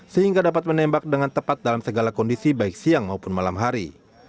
sehingga dapat menembak dengan tepat dalam segala kondisi baik siang maupun malam hari